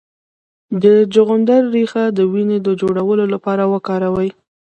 د چغندر ریښه د وینې د جوړولو لپاره وکاروئ